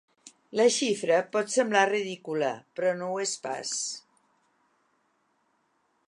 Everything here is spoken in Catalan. La xifra pot semblar ridícula, però no ho és pas.